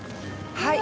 はい。